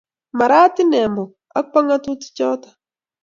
Marat inne mok ak bo ngatutik choto.